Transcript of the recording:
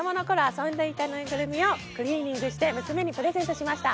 遊んでいたぬいぐるみをクリーニングして娘にプレゼントしました。